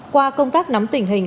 qua công tác nắm tình hình